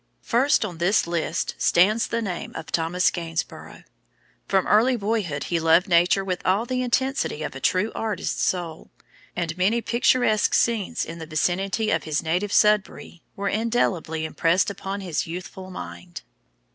First on this list stands the name of Thomas Gainsborough. From early boyhood he loved nature with all the intensity of a true artist's soul, and many picturesque scenes in the vicinity of his native Sudbury were indelibly impressed upon his youthful mind.